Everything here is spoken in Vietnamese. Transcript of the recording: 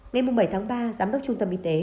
ngày bảy tháng ba giám đốc trung tâm y tế